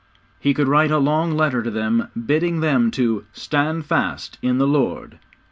He could write a long letter to them, bidding them to 'Stand fast in the Lord.'